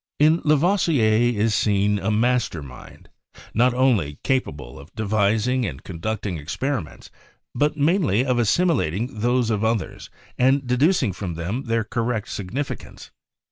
In Lavoisier is seen a master mind, not only capable of devising and conducting experiments, but mainly of assim ilating those of others, and deducing from them their cor rect significance.